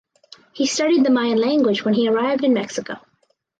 He studied the Mayan language when he arrived in Mexico.